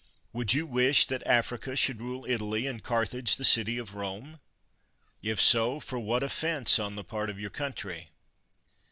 Would you wish that Africa should rule Italy, and Carthage the city of Rome? If so, for what offense on the part of your country